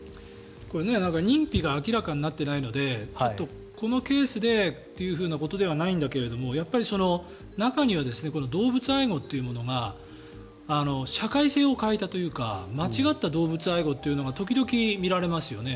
これ、認否が明らかになっていないのでちょっとこのケースでということではないですがやっぱり中には動物愛護というものが社会性を欠いたというか間違った動物愛護というのが時々見られますよね。